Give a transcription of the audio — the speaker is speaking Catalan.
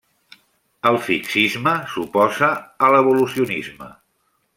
El fixisme s'oposa a l'evolucionisme.